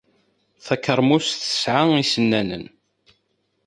Takermust tesɛa isennanen.